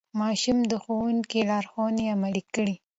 ماشوم د ښوونکي لارښوونې عملي کړې